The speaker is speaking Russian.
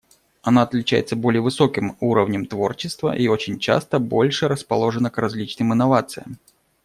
Она отличается более высоким уровнем творчества и очень часто больше расположена к различным инновациям.